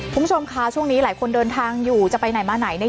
คุณผู้ชมค่ะช่วงนี้หลายคนเดินทางอยู่จะไปไหนมาไหนเนี่ย